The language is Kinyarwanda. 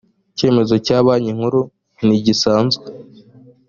icyemezo cya banki nkuru ntigisanzwe